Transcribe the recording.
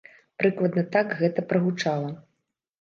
Прыкладна так гэта прагучала.